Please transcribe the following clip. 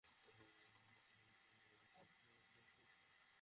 অতঃপর আমি তাদেরকে প্লাবন, পঙ্গপাল, উকুন ও রক্ত দ্বারা ক্লিষ্ট করি।